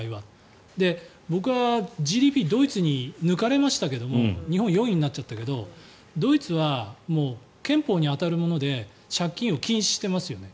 僕はＧＤＰドイツに抜かれましたけども日本、４位になっちゃったけどドイツは憲法に当たるもので借金を禁止していますよね。